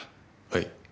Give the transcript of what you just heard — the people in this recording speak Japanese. はい。